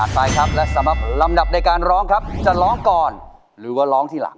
ไปครับและสำหรับลำดับในการร้องครับจะร้องก่อนหรือว่าร้องทีหลัง